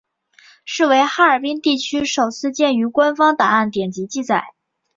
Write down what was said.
是为哈尔滨地区首次见于官方档案典籍记载。